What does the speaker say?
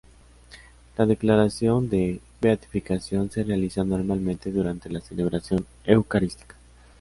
La declaración de beatificación se realiza normalmente durante la celebración eucarística.